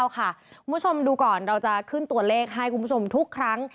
คุณผู้ชมดูก่อนเราจะขึ้นตัวเลขให้คุณผู้ชมทุกครั้ง